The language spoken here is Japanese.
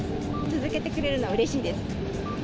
続けてくれるのはうれしいです。